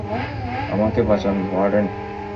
আমাকে বাঁচান ওয়ার্ডেন।